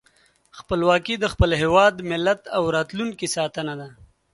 خپلواکي د خپل هېواد، ملت او راتلونکي ساتنه ده.